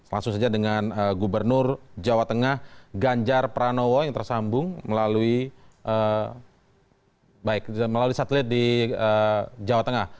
langsung saja dengan gubernur jawa tengah ganjar pranowo yang tersambung melalui satelit di jawa tengah